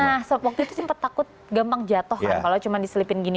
nah sempat waktu itu takut gampang jatoh kan kalau cuma diselipin gini